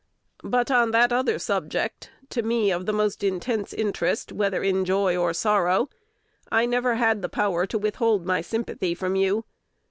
But on that other subject, to me of the most intense interest whether in joy or sorrow, I never had the power to withhold my sympathy from you.